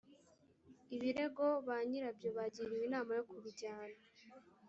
ibirego ba nyirabyo bagiriwe inama yo kubijyana